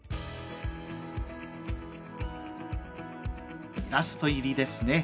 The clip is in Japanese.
イラスト入りですね。